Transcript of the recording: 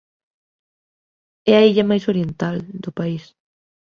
É a illa máis oriental do país.